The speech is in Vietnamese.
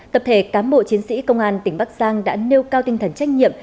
tập thể cám bộ chiến sĩ công an tỉnh bắc giang đã nêu cao tinh thần trách nhiệm